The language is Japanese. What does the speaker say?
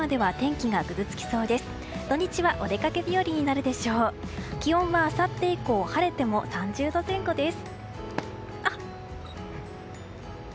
気温は、あさって以降晴れても３０度前後です。